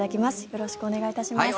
よろしくお願いします。